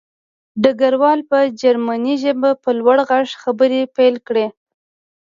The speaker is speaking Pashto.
ډګروال په جرمني ژبه په لوړ غږ خبرې پیل کړې